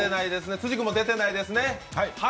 辻君もでてないですね。